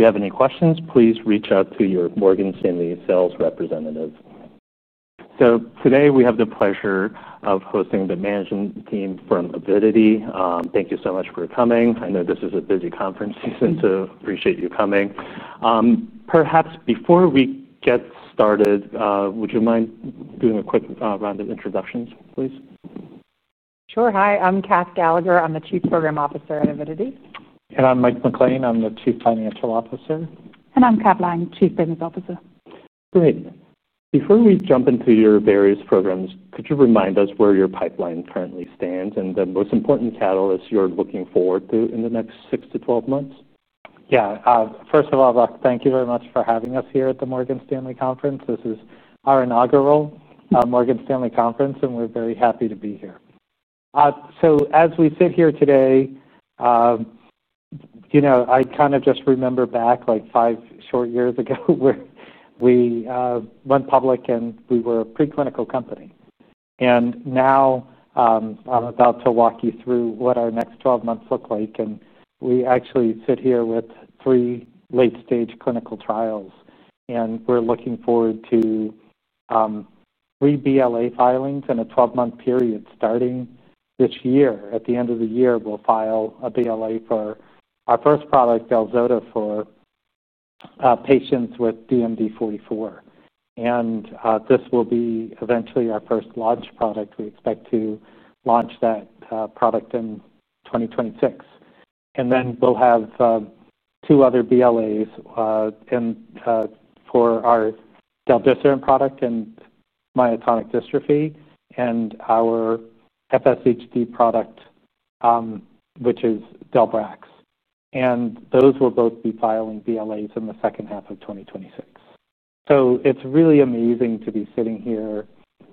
If you have any questions, please reach out to your Morgan Stanley sales representative. Today we have the pleasure of hosting the management team from Avidity. Thank you so much for coming. I know this is a busy conference season, so appreciate you coming. Perhaps before we get started, would you mind doing a quick round of introductions, please? Sure. Hi, I'm Kath Gallagher. I'm the Chief Program Officer at Avidity Biosciences. I'm Michael MacLean. I'm the Chief Financial Officer. I'm Kat Lange, Chief Business Officer. Great. Before we jump into your various programs, could you remind us where your pipeline currently stands and the most important catalysts you're looking forward to in the next 6-12 months? Yeah. First of all, thank you very much for having us here at the Morgan Stanley Conference. This is our inaugural Morgan Stanley Conference, and we're very happy to be here. As we sit here today, I kind of just remember back like five short years ago where we went public and we were a preclinical company. Now, I'm about to walk you through what our next 12 months look like. We actually sit here with three late-stage clinical trials, and we're looking forward to three BLA filings in a 12-month period starting this year. At the end of the year, we'll file a BLA for our first product, Del-zota, for patients with DMD44. This will be eventually our first launch product. We expect to launch that product in 2026. We'll have two other BLAs for our Del-zota product in myotonic dystrophy and our FSHD product, which is Del-brax. Those will both be filing BLAs in the second half of 2026. It's really amazing to be sitting here,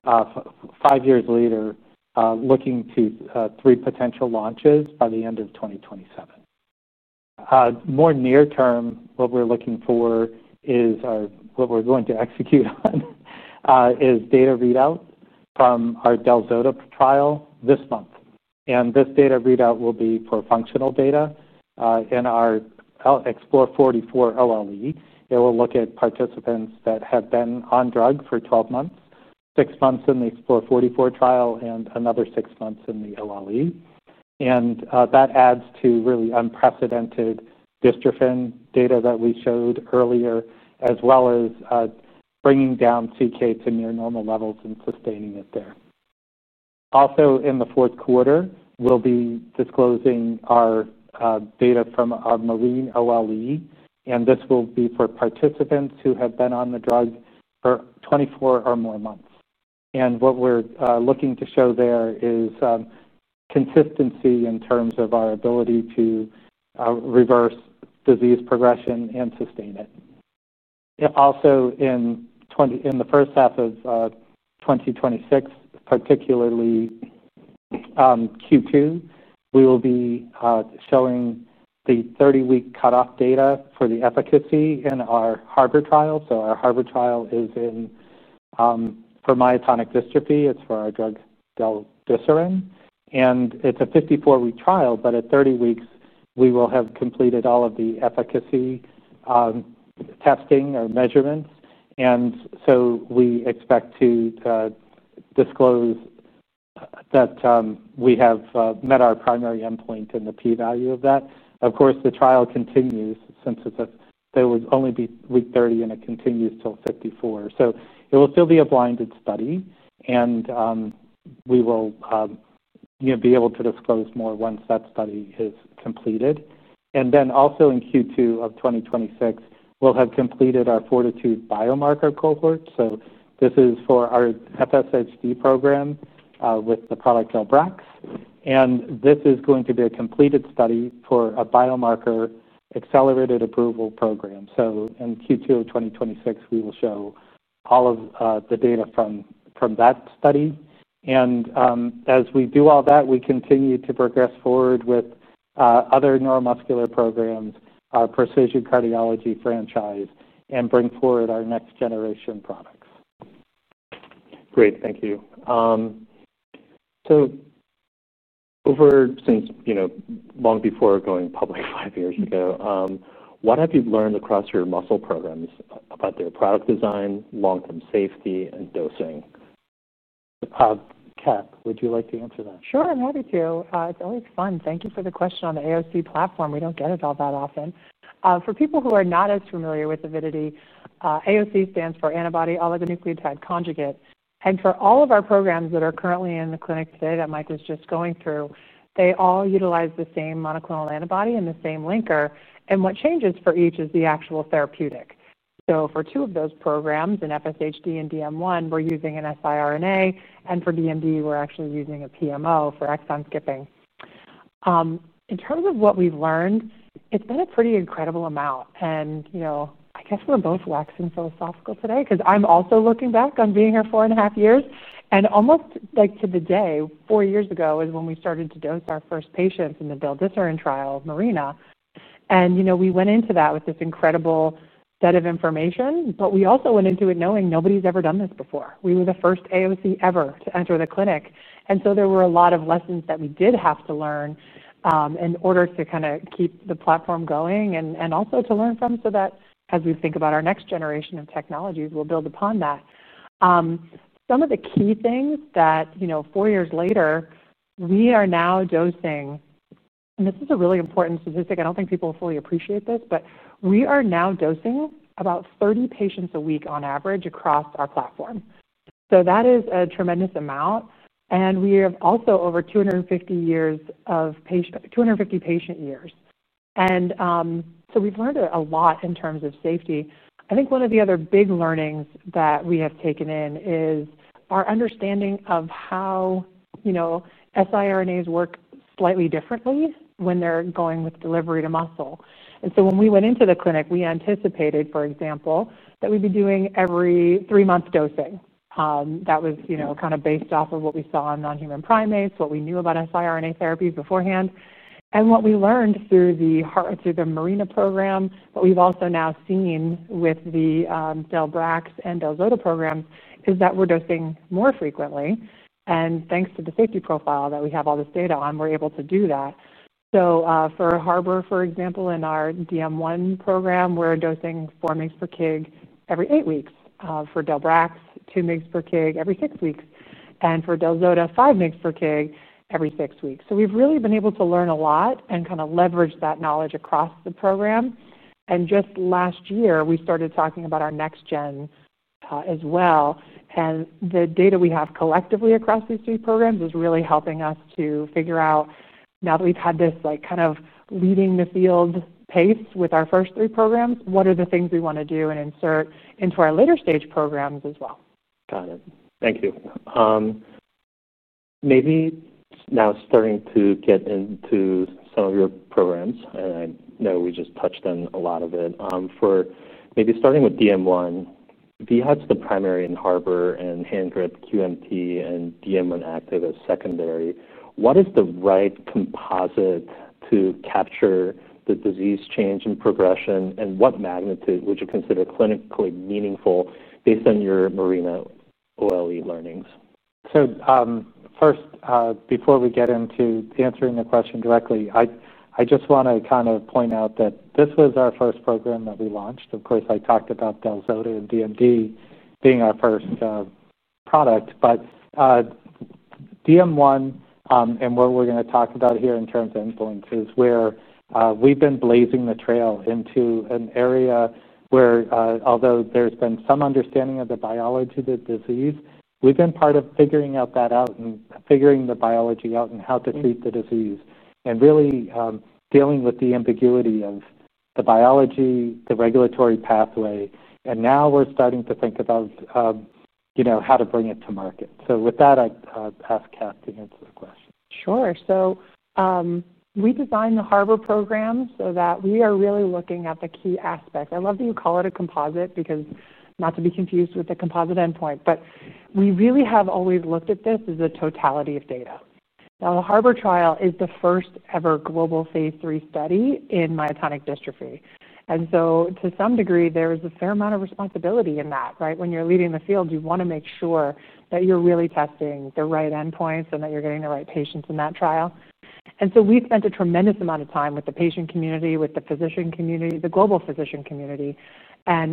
five years later, looking to three potential launches by the end of 2027. More near-term, what we're looking for is, or what we're going to execute on, is data readout from our Del-zota trial this month. This data readout will be for functional data in our EXPLORE44-OLE. It will look at participants that have been on drug for 12 months, six months in the Explore44 trial and another six months in the LLE. That adds to really unprecedented dystrophin data that we showed earlier, as well as bringing down CK to near normal levels and sustaining it there. Also, in the fourth quarter, we'll be disclosing our data from our MARINA-OLE. This will be for participants who have been on the drug for 24 or more months. What we're looking to show there is consistency in terms of our ability to reverse disease progression and sustain it. Also, in the first half of 2026, particularly Q2, we will be showing the 30-week cutoff data for the efficacy in our HARBOR trial. Our HARBOR trial is for myotonic dystrophy. It's for our drug Del-zota. It's a 54-week trial, but at 30 weeks, we will have completed all of the efficacy testing or measurement. We expect to disclose that we have met our primary endpoint in the p-value of that. Of course, the trial continues since there will only be week 30 and it continues till 54. It will still be a blinded study. We will be able to disclose more once that study is completed. In Q2 of 2026, we'll have completed our Fortitude biomarker cohort. This is for our FSHD program with the product Del-brax. This is going to be a completed study for a biomarker accelerated approval program. In Q2 of 2026, we will show all of the data from that study. As we do all that, we continue to progress forward with other neuromuscular programs, our precision cardiology franchise, and bring forward our next-generation products. Great. Thank you. Over since, you know, long before going public five years ago, what have you learned across your muscle programs about their product design, long-term safety, and dosing? Kath, would you like to answer that? Sure. I'm happy to. It's always fun. Thank you for the question on the AOC platform. We don't get it all that often. For people who are not as familiar with Avidity, AOC stands for Antibody Oligonucleotide Conjugate. For all of our programs that are currently in the clinic today that Mike was just going through, they all utilize the same monoclonal antibody and the same linker. What changes for each is the actual therapeutic. For two of those programs, in FSHD and DM1, we're using an siRNA. For DMD, we're actually using a PMO for exon skipping. In terms of what we've learned, it's been a pretty incredible amount. I guess we're both relaxed and philosophical today because I'm also looking back on being here four and a half years. Almost to the day, four years ago is when we started to dose our first patients in the Del-zota trial of MARINA. We went into that with this incredible set of information, but we also went into it knowing nobody's ever done this before. We were the first AOC ever to enter the clinic. There were a lot of lessons that we did have to learn in order to kind of keep the platform going and also to learn from so that as we think about our next generation of technologies, we'll build upon that. Some of the key things that, four years later, we are now dosing, and this is a really important statistic. I don't think people fully appreciate this, but we are now dosing about 30 patients a week on average across our platform. That is a tremendous amount. We have also over 250 patient years. We've learned a lot in terms of safety. I think one of the other big learnings that we have taken in is our understanding of how siRNAs work slightly differently when they're going with delivery to muscle. When we went into the clinic, we anticipated, for example, that we'd be doing every three-month dosing. That was based off of what we saw in non-human primates, what we knew about siRNA therapies beforehand. What we learned through the heart, through the Marine program, and what we've also now seen with the Del-brax and Del-zota program is that we're dosing more frequently. Thanks to the safety profile that we have all this data on, we're able to do that. For HARBOR, for example, in our DM1 program, we're dosing 4 mg per kg every eight weeks. For Del-brax, 2 mg per kg every six weeks. For Del-zota, 5 mg per kg every six weeks. We've really been able to learn a lot and kind of leverage that knowledge across the program. Just last year, we started talking about our next gen as well. The data we have collectively across these three programs is really helping us to figure out, now that we've had this kind of leading-the-field pace with our first three programs, what are the things we want to do and insert into our later-stage programs as well. Got it. Thank you. Maybe now starting to get into some of your programs, and I know we just touched on a lot of it. For maybe starting with DM1, what's the primary in HARBOR and Hand Grip, QMT, and DM1 Active as secondary. What is the right composite to capture the disease change in progression, and what magnitude would you consider clinically meaningful based on your MARINA-OLE learnings? First, before we get into answering the question directly, I just want to kind of point out that this was our first program that we launched. Of course, I talked about Del-zota and DMD being our first product. DM1, and what we're going to talk about here in terms of influences where we've been blazing the trail into an area where, although there's been some understanding of the biology of the disease, we've been part of figuring that out and figuring the biology out and how to treat the disease. Really, dealing with the ambiguity of the biology, the regulatory pathway. Now we're starting to think about, you know, how to bring it to market. With that, I'd ask Kath to answer the question. Sure. We designed the HARBOR program so that we are really looking at the key aspect. I love that you call it a composite because not to be confused with the composite endpoint, but we really have always looked at this as a totality of data. The HARBOR trial is the first ever global phase III study in myotonic dystrophy. To some degree, there is a fair amount of responsibility in that, right? When you're leading the field, you want to make sure that you're really testing the right endpoints and that you're getting the right patients in that trial. We spent a tremendous amount of time with the patient community, with the physician community, the global physician community.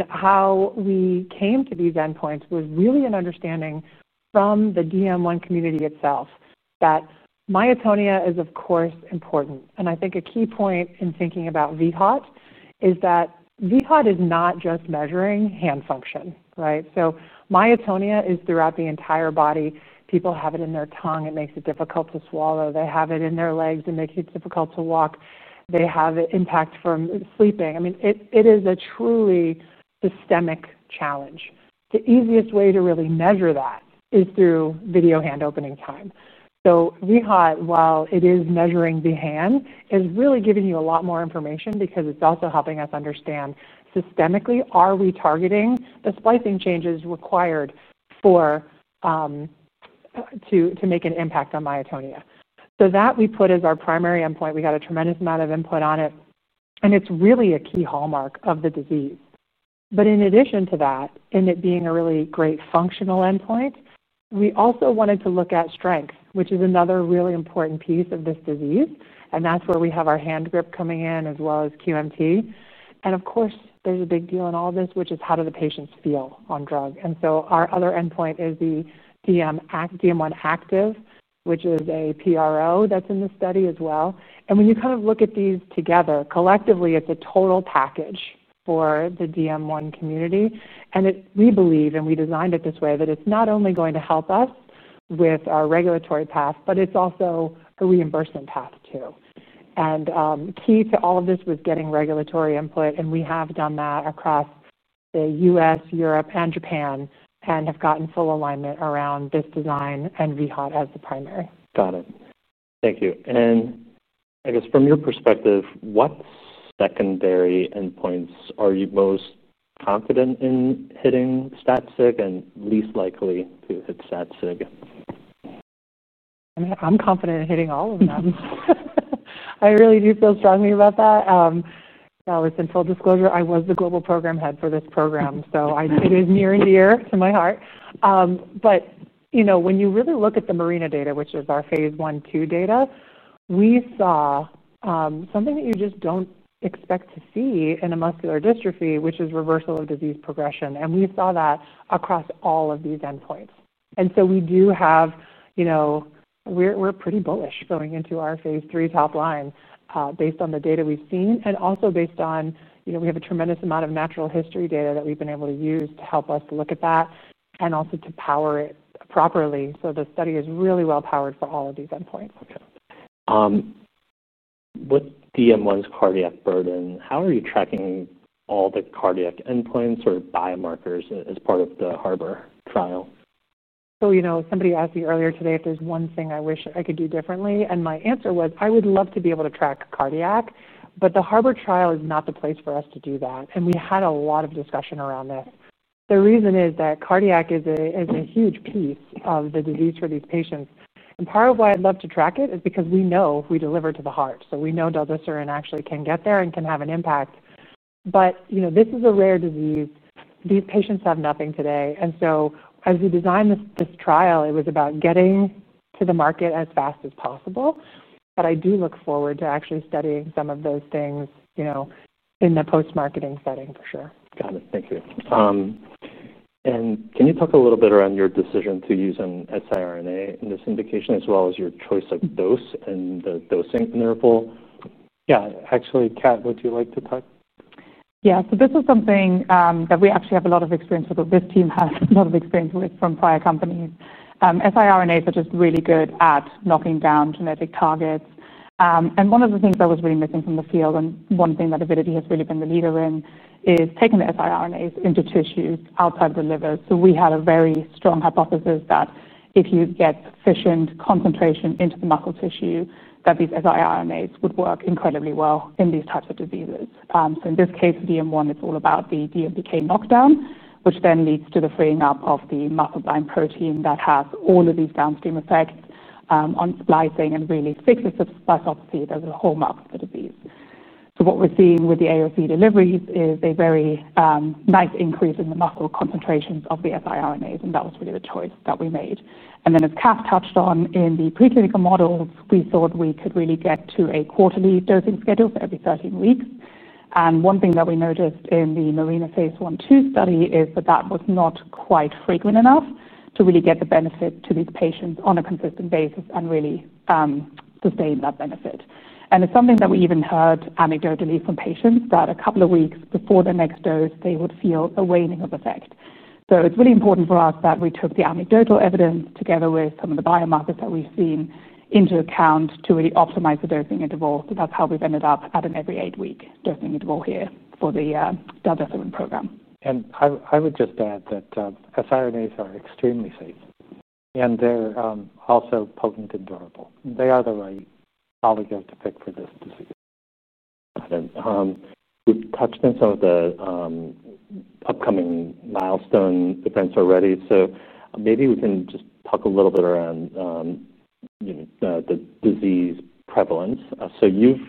How we came to these endpoints was really an understanding from the DM1 community itself that myotonia is, of course, important. I think a key point in thinking about VHAT is that VHAT is not just measuring hand function, right? Myotonia is throughout the entire body. People have it in their tongue. It makes it difficult to swallow. They have it in their legs. It makes it difficult to walk. They have an impact from sleeping. It is a truly systemic challenge. The easiest way to really measure that is through video hand opening time. VHAT, while it is measuring the hand, has really given you a lot more information because it's also helping us understand systemically, are we targeting the splicing changes required to make an impact on myotonia? We put that as our primary endpoint. We had a tremendous amount of input on it. It's really a key hallmark of the disease. In addition to that, in it being a really great functional endpoint, we also wanted to look at strength, which is another really important piece of this disease. That's where we have our Hand Grip coming in, as well as QMT. Of course, there's a big deal in all of this, which is how do the patients feel on drug? Our other endpoint is the DM1 Active, which is a PRO that's in the study as well. When you kind of look at these together, collectively, it's a total package for the DM1 community. We believe, and we designed it this way, that it's not only going to help us with our regulatory path, but it's also a reimbursement path too. Key to all of this was getting regulatory input. We have done that across the U.S., Europe, and Japan, and have gotten full alignment around this design and VHAT as the primary. Got it. Thank you. From your perspective, what secondary endpoints are you most confident in hitting stat sig and least likely to hit stat sig? I'm confident in hitting all of them. I really do feel strongly about that. Within full disclosure, I was the global program head for this program. It is near and dear to my heart. When you really look at the MARINA data, which is our phase I/II data, we saw something that you just don't expect to see in a muscular dystrophy, which is reversal of disease progression. We saw that across all of these endpoints. We do have, you know, we're pretty bullish going into our phase three top line, based on the data we've seen and also based on, you know, we have a tremendous amount of natural history data that we've been able to use to help us look at that and also to power it properly. The study is really well powered for all of these endpoints. Okay. With DM1's cardiac burden, how are you tracking all the cardiac endpoints or biomarkers as part of the HARBOR trial? You know, somebody asked me earlier today if there's one thing I wish I could do differently. My answer was I would love to be able to track cardiac, but the HARBOR trial is not the place for us to do that. We had a lot of discussion around that. The reason is that cardiac is a huge piece of the disease for these patients. Part of why I'd love to track it is because we know we deliver to the heart. We know Del-zota actually can get there and can have an impact. You know, this is a rare disease. These patients have nothing today. As we designed this trial, it was about getting to the market as fast as possible. I do look forward to actually studying some of those things in the post-marketing setting for sure. Got it. Thank you. Can you talk a little bit around your decision to use an siRNA in this indication as well as your choice of dose and the dosing interval? Yeah, actually, Kat, would you like to talk? Yeah. This is something that we actually have a lot of experience with. This team has a lot of experience with from prior companies. siRNAs are just really good at knocking down genetic targets. One of the things that was really missing from the field and one thing that Avidity has really been the leader in is taking the siRNAs into tissues outside of the liver. We had a very strong hypothesis that if you get sufficient concentration into the muscle tissue, these siRNAs would work incredibly well in these types of diseases. In this case, with DM1, it's all about the DMPK knockdown, which then leads to the freeing up of the muscle-blind protein that has all of these downstream effects on splicing and really fixes the splicopathy that is a hallmark of the disease. What we're seeing with the AOC deliveries is a very nice increase in the muscle concentrations of the siRNAs. That was really the choice that we made. As Kath touched on in the preclinical models, we thought we could really get to a quarterly dosing schedule for every 13 weeks. One thing that we noticed in the MARINA phase I/II study is that that was not quite frequent enough to really get the benefit to these patients on a consistent basis and really sustain that benefit. It's something that we even heard anecdotally from patients that a couple of weeks before the next dose, they would feel a waning of effect. It's really important for us that we took the anecdotal evidence together with some of the biomarkers that we've seen into account to really optimize the dosing interval. That's how we've ended up at an every eight-week dosing interval here for the Del-zota program. siRNAs are extremely safe. They're also potent and durable, and they are the right oligos to pick for this disease. Got it. We've touched on some of the upcoming milestone events already. Maybe we can just talk a little bit around the disease prevalence. You've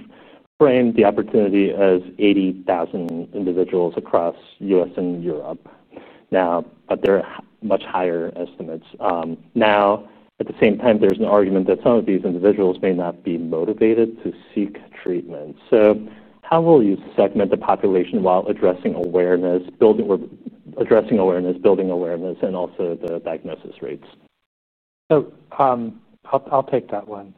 framed the opportunity as 80,000 individuals across the U.S. and Europe now, but there are much higher estimates. At the same time, there's an argument that some of these individuals may not be motivated to seek treatment. How will you segment the population while addressing awareness, building awareness, and also the diagnosis rates? I'll take that one.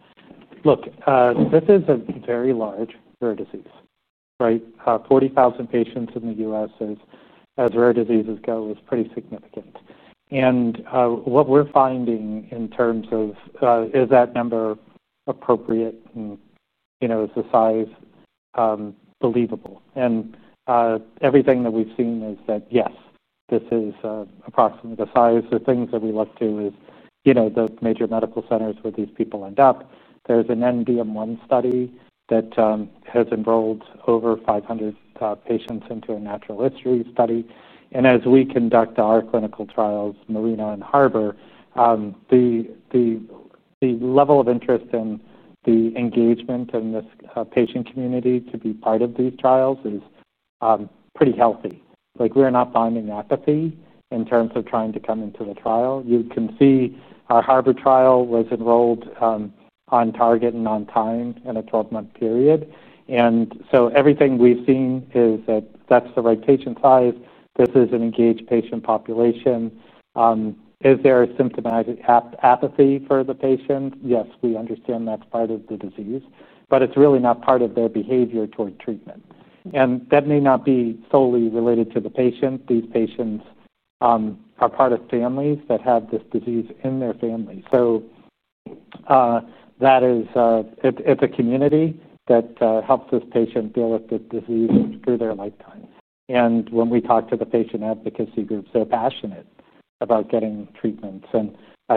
Look, this is a very large rare disease, right? 40,000 patients in the U.S. as rare diseases go is pretty significant. What we're finding in terms of, is that number appropriate and, you know, is the size believable? Everything that we've seen is that, yes, this is approximately the size of things that we look to, you know, the major medical centers where these people end up. There's a DM1 study that has enrolled over 500 patients into a natural history study. As we conduct our clinical trials, MARINA and HARBOR, the level of interest and the engagement in this patient community to be part of these trials is pretty healthy. We're not finding apathy in terms of trying to come into the trial. You can see our HARBOR trial was enrolled on target and on time in a 12-month period. Everything we've seen is that that's the right patient size. This is an engaged patient population. Is there a symptomatic apathy for the patient? Yes, we understand that's part of the disease, but it's really not part of their behavior toward treatment. That may not be solely related to the patient. These patients are part of families that have this disease in their family. That is, it's a community that helps this patient deal with the disease through their lifetime. When we talk to the patient advocacy groups, they're passionate about getting treatments.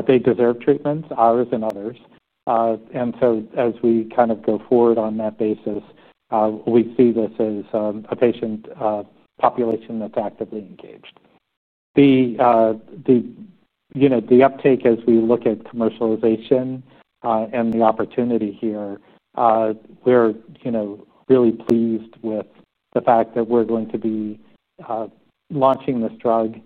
They deserve treatments, ours and others. As we kind of go forward on that basis, we see this as a patient population that's actively engaged. The uptake as we look at commercialization and the opportunity here, we're really pleased with the fact that we're going to be launching this drug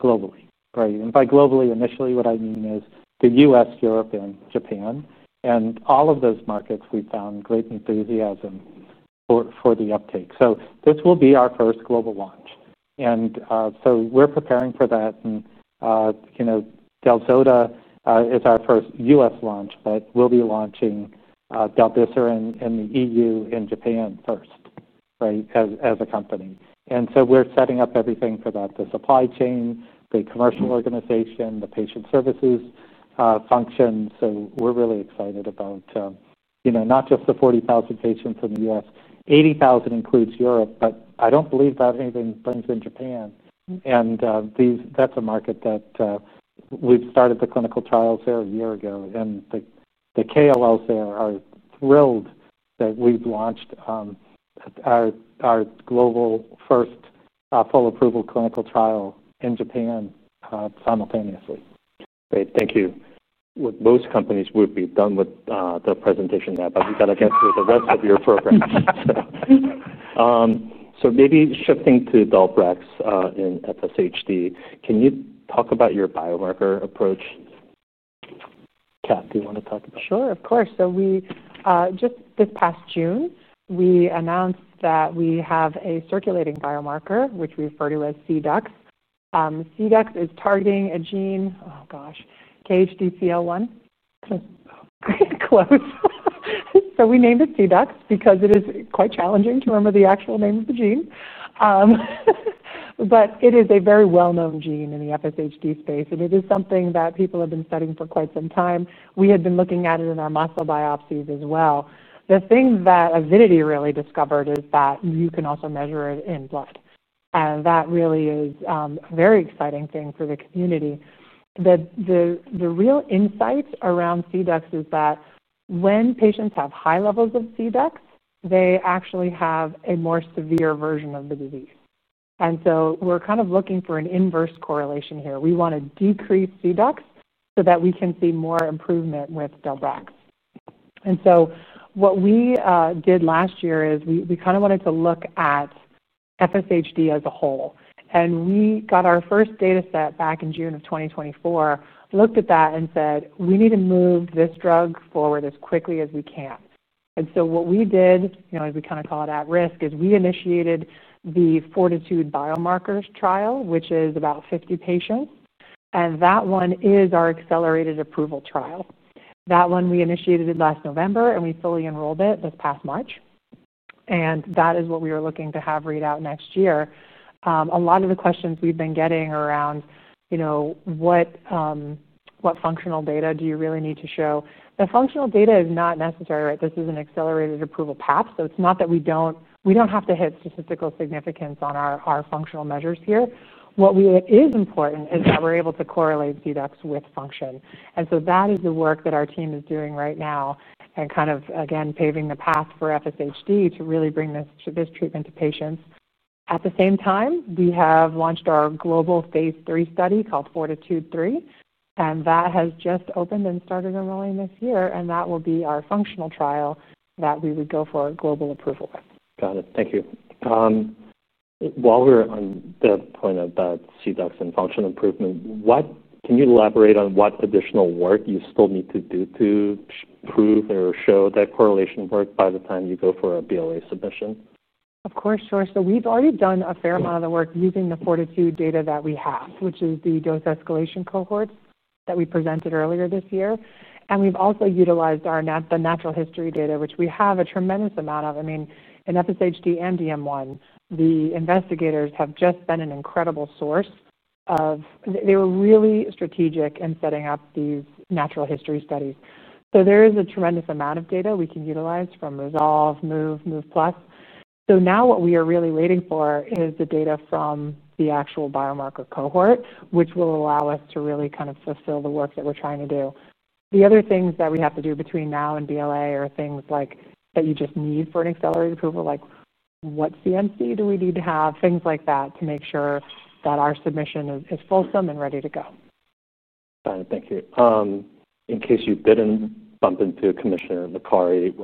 globally, right? By globally, initially, what I mean is the U.S., Europe, and Japan. In all of those markets, we found great enthusiasm for the uptake. This will be our first global launch. We're preparing for that. Del-zota is our first U.S. launch, but we'll be launching Del-zota in the EU and Japan first, right, as a company. We're setting up everything for that: the supply chain, the commercial organization, the patient services function. We're really excited about, you know, not just the 40,000 patients in the U.S., 80,000 includes Europe, but I don't believe that anything brings in Japan. That's a market that we've started the clinical trials there a year ago. The KLLs there are thrilled that we've launched our global first full-approval clinical trial in Japan, simultaneously. Great. Thank you. With most companies, we'd be done with the presentation now. We've got to get through the rest of your program. Maybe shifting to Del-brax in FSHD, can you talk about your biomarker approach? Kath, do you want to talk about? Sure, of course. Just this past June, we announced that we have a circulating biomarker, which we refer to as cDUX. cDUX is targeting a gene, oh gosh, KHDCL1. Pretty close. We named it cDUX because it is quite challenging to remember the actual name of the gene, but it is a very well-known gene in the FSHD space. It is something that people have been studying for quite some time. We had been looking at it in our muscle biopsies as well. The thing that Avidity really discovered is that you can also measure it in blood. That really is a very exciting thing for the community. The real insight around cDUX is that when patients have high levels of cDUX, they actually have a more severe version of the disease. We're kind of looking for an inverse correlation here. We want to decrease cDUX so that we can see more improvement with Del-brax. What we did last year is we wanted to look at FSHD as a whole. We got our first data set back in June of 2024, looked at that, and said, we need to move this drug forward as quickly as we can. What we did, as we call it at risk, is we initiated the Fortitude biomarker cohort, which is about 50 patients. That one is our accelerated approval trial. We initiated that last November, and we fully enrolled it this past March. That is what we are looking to have read out next year. A lot of the questions we've been getting are around what functional data do you really need to show. The functional data is not necessary, right? This is an accelerated approval pathway. It's not that we have to hit statistical significance on our functional measures here. What is important is that we're able to correlate cDUX with function. That is the work that our team is doing right now and paving the path for FSHD to really bring this treatment to patients. At the same time, we have launched our global phase III study called Fortitude 3, and that has just opened and started enrolling this year. That will be our functional trial that we would go for a global approval with. Got it. Thank you. While we're on the point about cDUX and functional improvement, can you elaborate on what additional work you still need to do to prove or show that correlation works by the time you go for a BLA submission? Of course, sure. We've already done a fair amount of the work using the Fortitude data that we have, which is the dose escalation cohorts that we presented earlier this year. We've also utilized our natural history data, which we have a tremendous amount of. In FSHD and DM1, the investigators have just been an incredible source; they were really strategic in setting up these natural history studies. There is a tremendous amount of data we can utilize from RESOLVE, MOVE, and MOVE+. What we are really waiting for now is the data from the actual biomarker cohort, which will allow us to really fulfill the work that we're trying to do. The other things that we have to do between now and the BLA are things that you just need for an accelerated approval pathway, like what CMC do we need to have, things like that to make sure that our submission is fulsome and ready to go. Got it. Thank you. In case you didn't bump into Commissioner McCauley,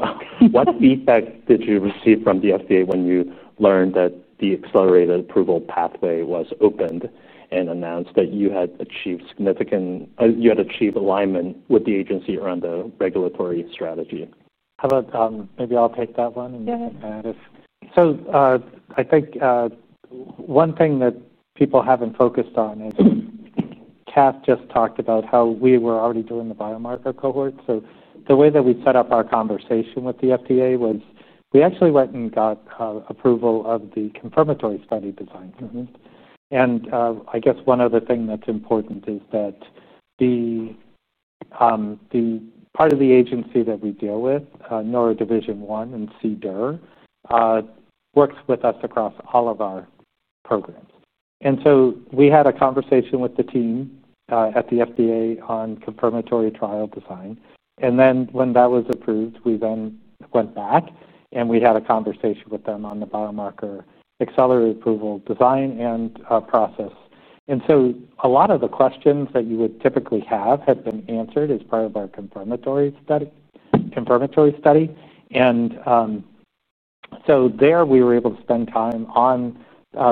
what feedback did you receive from the FDA when you learned that the accelerated approval pathway was opened and announced that you had achieved significant, you had achieved alignment with the agency around the regulatory strategy? Maybe I'll take that one and add if. I think one thing that people haven't focused on is Kath just talked about how we were already doing the biomarker cohort. The way that we set up our conversation with the FDA was we actually went and got approval of the confirmatory study design. I guess one other thing that's important is that the part of the agency that we deal with, Neuro Division 1 and CDER, works with us across all of our programs. We had a conversation with the team at the FDA on confirmatory trial design. When that was approved, we then went back and had a conversation with them on the biomarker accelerated approval design and process. A lot of the questions that you would typically have had been answered as part of our confirmatory study. We were able to spend time on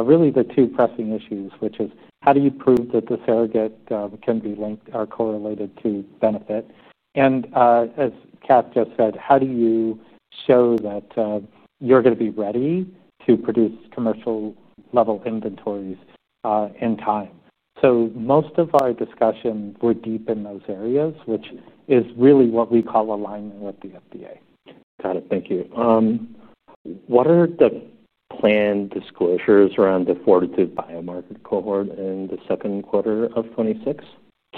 really the two pressing issues, which is how do you prove that the surrogate can be linked or correlated to benefit? As Kath just said, how do you show that you're going to be ready to produce commercial-level inventories in time? Most of our discussion were deep in those areas, which is really what we call alignment with the FDA. Got it. Thank you. What are the planned disclosures around the Fortitude biomarker cohort in the second quarter of 2026?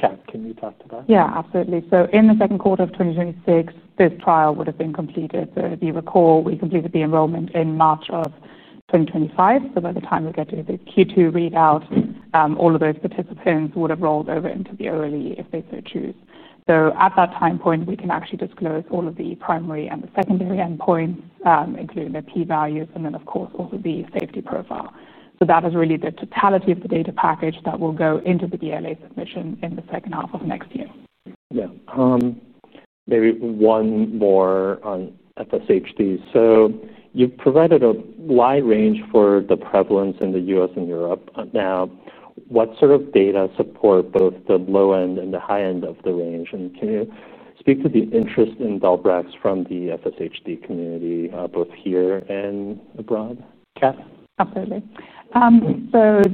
Kat, can you talk to that? Yeah, absolutely. In the second quarter of 2026, this trial would have been completed. If you recall, we completed the enrollment in March of 2025. By the time we get to the Q2 readout, all of those participants would have rolled over into the OLE if they so choose. At that time point, we can actually disclose all of the primary and the secondary endpoints, including the p-values, and, of course, all of the safety profile. That is really the totality of the data package that will go into the BLA submission in the second half of next year. Yeah. Maybe one more on FSHD. You've provided a wide range for the prevalence in the U.S. and Europe. What sort of data support both the low-end and the high-end of the range? Can you speak to the interest in Del-brax from the FSHD community, both here and abroad? Kath? Absolutely.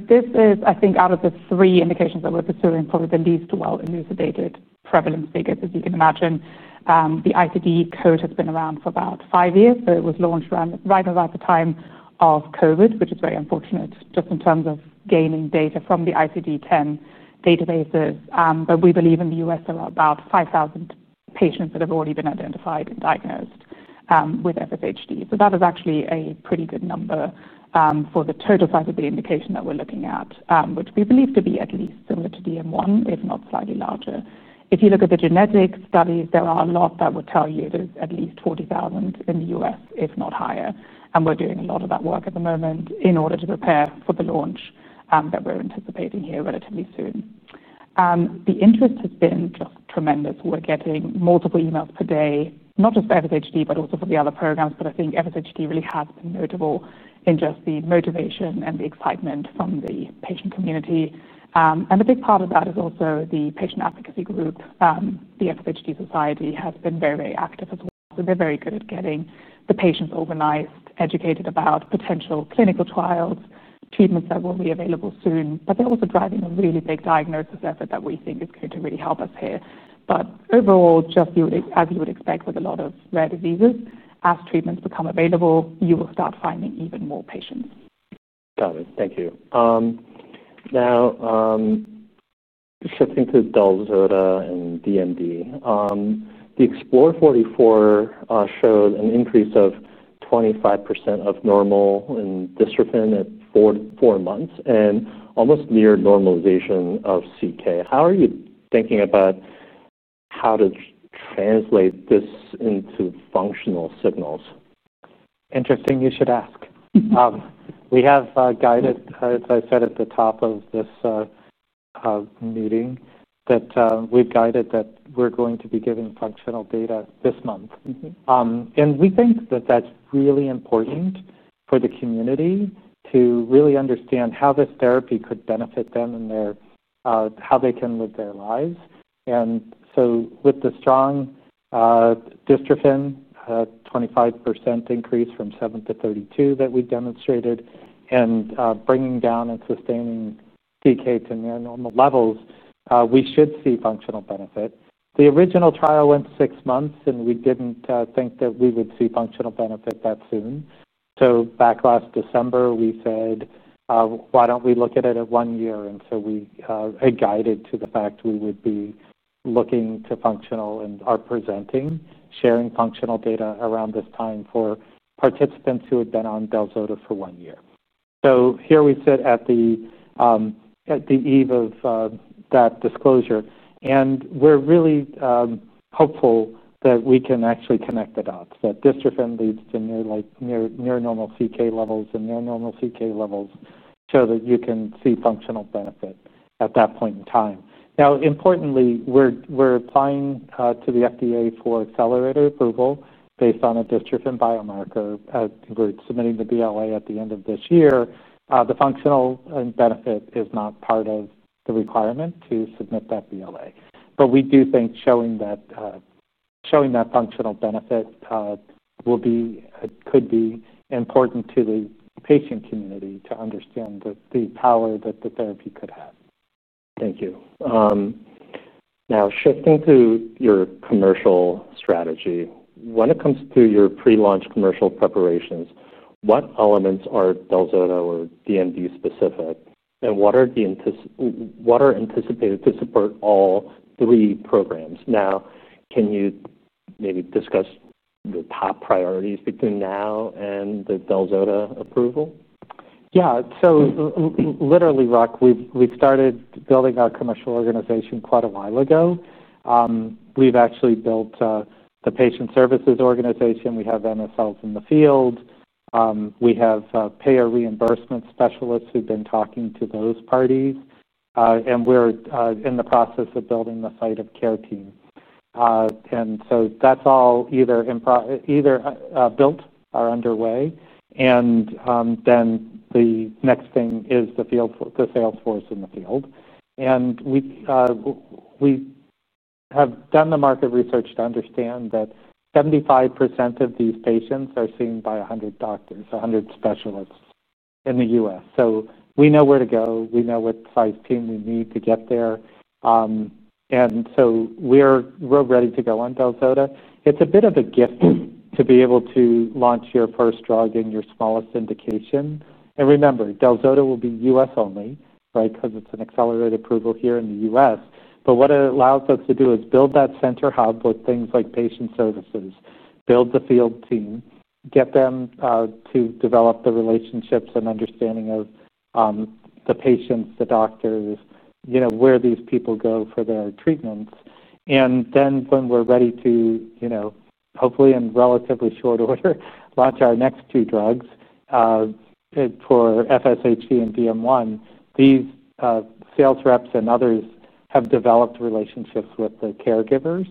This is, I think, out of the three indications that we're pursuing, probably the least well-illuminated prevalence figures, as you can imagine. The ICD code has been around for about five years. It was launched right around the time of COVID, which is very unfortunate, just in terms of gaining data from the ICD-10 databases. We believe in the U.S., there are about 5,000 patients that have already been identified and diagnosed with FSHD. That is actually a pretty good number for the total size of the indication that we're looking at, which we believe to be at least similar to DM1, if not slightly larger. If you look at the genetics studies, there are a lot that would tell you there's at least 40,000 in the U.S., if not higher. We're doing a lot of that work at the moment in order to prepare for the launch that we're anticipating here relatively soon. The interest has been just tremendous. We're getting multiple emails per day, not just for FSHD, but also for the other programs. I think FSHD really has been notable in just the motivation and the excitement from the patient community. A big part of that is also the patient advocacy group. The FSHD Society has been very, very active as well. They're very good at getting the patients organized, educated about potential clinical trials, treatments that will be available soon. They're also driving a really big diagnosis effort that we think is going to really help us here. Overall, as you would expect with a lot of rare diseases, as treatments become available, you will start finding even more patients. Got it. Thank you. Now, shifting to Del-zota and DMD. The Explore 44 showed an increase of 25% of normal in dystrophin at four months and almost near normalization of CK. How are you thinking about how to translate this into functional signals? Interesting you should ask. We have guided, as I said at the top of this meeting, that we're going to be giving functional data this month. We think that that's really important for the community to really understand how this therapy could benefit them and how they can live their lives. With the strong dystrophin, a 25% increase from 7 to 32 that we demonstrated, and bringing down and sustaining CK to near normal levels, we should see functional benefit. The original trial went six months, and we didn't think that we would see functional benefit that soon. Back last December, we said, why don't we look at it at one year? We had guided to the fact we would be looking to functional and are presenting, sharing functional data around this time for participants who had been on Del-zota for one year. Here we sit at the eve of that disclosure. We're really hopeful that we can actually connect the dots, that dystrophin leads to near normal CK levels and near normal CK levels so that you can see functional benefit at that point in time. Importantly, we're applying to the FDA for accelerated approval based on a dystrophin biomarker. We're submitting the BLA at the end of this year. The functional benefit is not part of the requirement to submit that BLA. We do think showing that functional benefit will be, could be important to the patient community to understand the power that the therapy could have. Thank you. Now, shifting to your commercial strategy, when it comes to your pre-launch commercial preparations, what elements are Del-zota or DMD specific? What are anticipated to support all three programs? Can you maybe discuss the top priorities between now and the Del-zota approval? Yeah. Literally, Rok, we've started building our commercial organization quite a while ago. We've actually built the patient services organization. We have MSLs in the field. We have payer reimbursement specialists who've been talking to those parties. We're in the process of building the flight of care teams, so that's all either built or underway. The next thing is the sales force in the field. We have done the market research to understand that 75% of these patients are seen by 100 doctors, 100 specialists in the U.S. We know where to go. We know what size team you need to get there. We're ready to go on Del-zota. It's a bit of a gift to be able to launch your first drug in your smallest indication. Remember, Del-zota will be U.S. only, right, because it's an accelerated approval here in the U.S. What it allows us to do is build that center hub with things like patient services, build the field team, get them to develop the relationships and understanding of the patients, the doctors, where these people go for their treatments. When we're ready to, hopefully in relatively short order, launch our next two drugs for FSHD and DM1, these sales reps and others have developed relationships with the caregivers.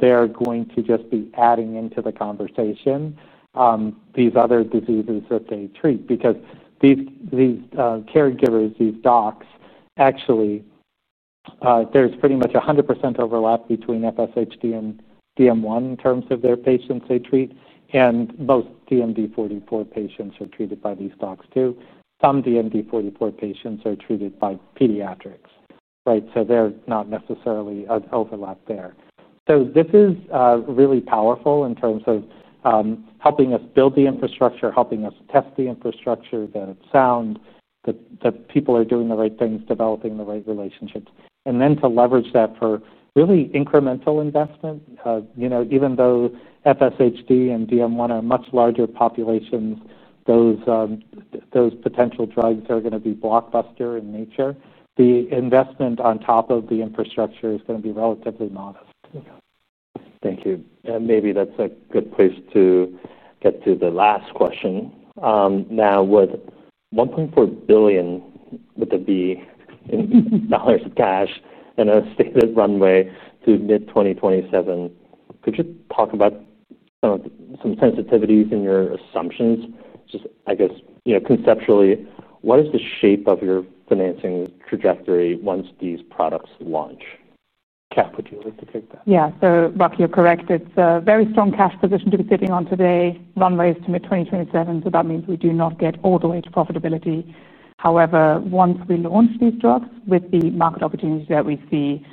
They're going to just be adding into the conversation these other diseases that they treat because these caregivers, these docs, actually, there's pretty much 100% overlap between FSHD and DM1 in terms of their patients they treat. Most DMD44 patients are treated by these docs too. Some DMD44 patients are treated by pediatrics, right, so there's not necessarily an overlap there. This is really powerful in terms of helping us build the infrastructure, helping us test the infrastructure, that it's sound, that people are doing the right things, developing the right relationships. Then to leverage that for really incremental investment, even though FSHD and DM1 are much larger populations, those potential drugs are going to be blockbuster in nature. The investment on top of the infrastructure is going to be relatively modest. Thank you. Maybe that's a good place to get to the last question. Now, with $1.4 billion in cash and a stated runway to mid-2027, could you talk about some sensitivities in your assumptions? Just, I guess, conceptually, what is the shape of your financing trajectory once these products launch? Kat, would you like to take that? Yeah. Rok, you're correct. It's a very strong cash position to be sitting on today. Runway is to mid-2027, so that means we do not get all the way to profitability. However, once we launch these drugs with the market opportunities that we see,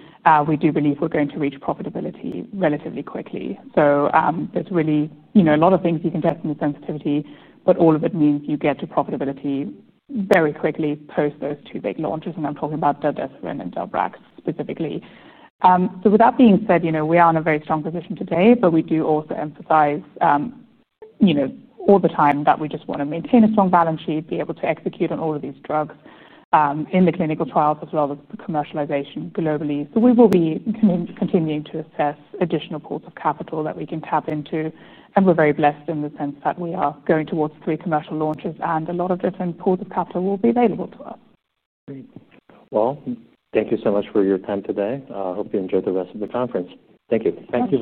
we do believe we're going to reach profitability relatively quickly. There's really, you know, a lot of things you can test in the sensitivity, but all of it means you get to profitability very quickly post those two big launches. I'm talking about Del-zota and Del-brax specifically. With that being said, we are in a very strong position today, but we do also emphasize, you know, all the time that we just want to maintain a strong balance sheet, be able to execute on all of these drugs, in the clinical trials as well as the commercialization globally. We will be continuing to assess additional pools of capital that we can tap into. We're very blessed in the sense that we are going towards three commercial launches, and a lot of different pools of capital will be available to us. Great. Thank you so much for your time today. I hope you enjoy the rest of the conference. Thank you. Thank you.